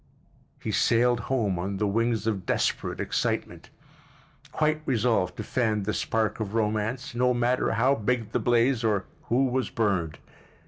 He sailed home on the wings of desperate excitement, quite resolved to fan this spark of romance, no matter how big the blaze or who was burned.